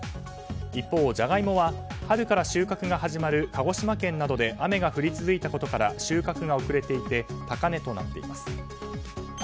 一方、ジャガイモは春から収穫が始まる鹿児島県などで雨が降り続いたことから収穫が遅れていて高値となっています。